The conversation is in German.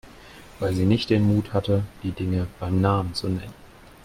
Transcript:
Weil Sie nicht den Mut hatten, die Dinge beim Namen zu nennen.